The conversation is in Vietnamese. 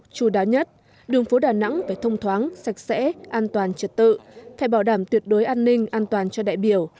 chú đáo nhất đường phố đà nẵng phải thông thoáng sạch sẽ an toàn trật tự phải bảo đảm tuyệt đối an ninh an toàn cho đại biểu